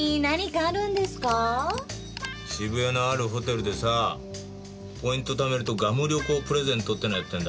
渋谷のあるホテルでさあポイント貯めるとグアム旅行プレゼントってのやってんだ。